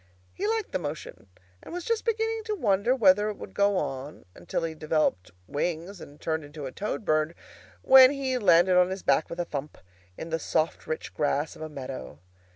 He liked the motion, and was just beginning to wonder whether it would go on until he developed wings and turned into a Toad bird, when he landed on his back with a thump, in the soft rich grass of a meadow.